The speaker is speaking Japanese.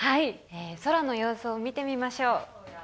空の様子を見てみましょう。